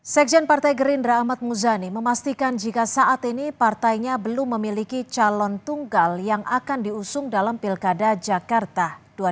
sekjen partai gerindra ahmad muzani memastikan jika saat ini partainya belum memiliki calon tunggal yang akan diusung dalam pilkada jakarta dua ribu delapan belas